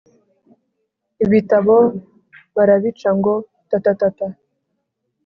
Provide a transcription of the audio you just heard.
Ibitabo barabica ngo tatatata